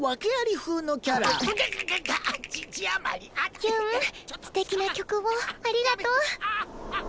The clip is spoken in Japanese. ヒュンすてきな曲をありがとう。